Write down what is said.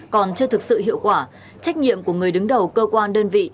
còn chưa thực sự hiệu quả trách nhiệm của người đứng đầu cơ quan đơn vị